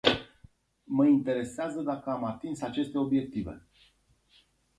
Mă interesează dacă am atins aceste obiective.